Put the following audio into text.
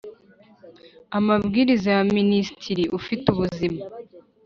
Amabwiriza ya Minisitiri ufite ubuzima